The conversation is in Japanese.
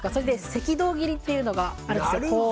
赤道切りというのがあるんですよ。